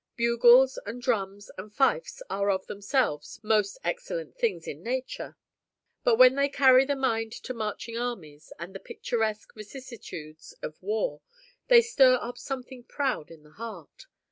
Bugles, and drums, and fifes, are of themselves most excellent things in nature; and when they carry the mind to marching armies, and the picturesque vicissitudes of war, they stir up something proud in the heart.